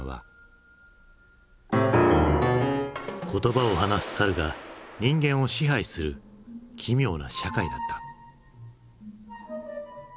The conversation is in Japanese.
言葉を話す猿が人間を支配する奇妙な社会だった。